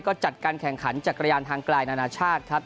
ก็จัดการแข่งขันจักรยานทางไกลนานาชาติครับ